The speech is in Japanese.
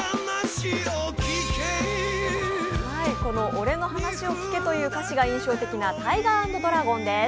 「俺の話を聞け！」という歌詞が印象的な「タイガー＆ドラゴン」です。